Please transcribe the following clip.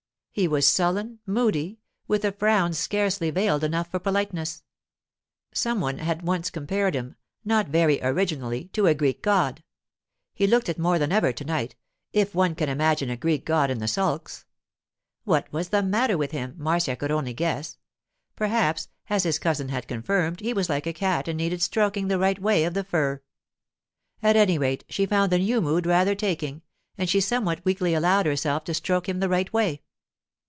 He was sullen, moody, with a frown scarcely veiled enough for politeness. Some one had once compared him, not very originally, to a Greek god. He looked it more than ever to night, if one can imagine a Greek god in the sulks. What was the matter with him, Marcia could only guess. Perhaps, as his cousin had affirmed, he was like a cat and needed stroking the right way of the fur. At any rate, she found the new mood rather taking, and she somewhat weakly allowed herself to stroke him the right way.